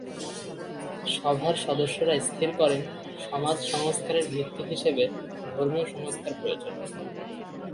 সভার সদস্যরা স্থির করেন সমাজ সংস্কারের ভিত্তি হিসেবে ধর্মীয় সংস্কার প্রয়োজন।